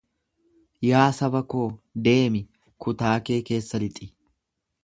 Yaa saba koo, deemi kutaa kee keessa lixi.